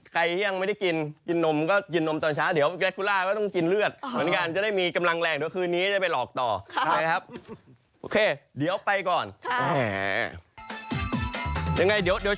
ใครที่ยังไม่ได้กินกินนมก็กินนมตอนเช้าเดี๋ยวแกคุล่าก็ต้องกินเลือดเหมือนกันจะได้มีกำลังแรงเดี๋ยวคืนนี้จะไปหลอกต่อใช่ครับโอเคเดี๋ยวไปก่อน